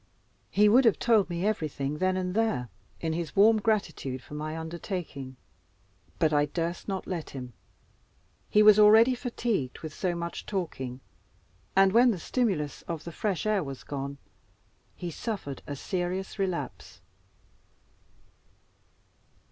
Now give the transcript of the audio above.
He would have told me everything then and there, in his warm gratitude for my undertaking; but I durst not let him. He was already fatigued with so much talking, and when the stimulus of the fresh air was gone, he suffered a serious relapse.